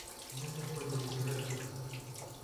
Мы сыходзілі з гэтага.